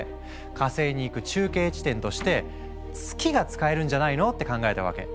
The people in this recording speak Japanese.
火星に行く中継地点として月が使えるんじゃないの？って考えたわけ。